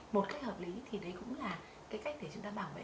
một cách hợp lý thì đấy cũng là cái cách để chúng ta bảo vệ